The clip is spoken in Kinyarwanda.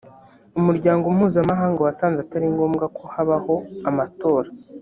umuryango mpuzamahanga wasanze atari ngombwa ko habaho amatora